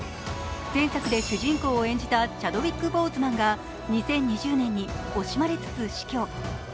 前作で主人公を演じたチャドウィック・ポーズマンが２０２０年に惜しまれつつ死去。